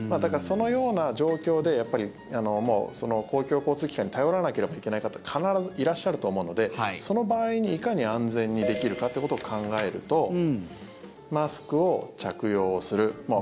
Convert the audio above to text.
そのような状況で公共交通機関に頼らなければいけない方必ずいらっしゃると思うのでその場合にいかに安全にできるかっていうことを考えるとマスクを着用する。